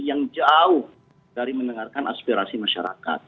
yang jauh dari mendengarkan aspirasi masyarakat